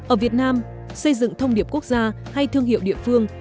ở việt nam xây dựng thông điệp quốc gia hay thương hiệu địa phương